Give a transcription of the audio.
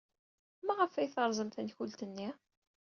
Maɣef ay terẓem tankult-nni?